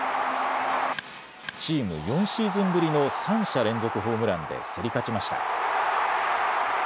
チーム、４シーズンぶりの３者連続ホームランで競り勝ちました。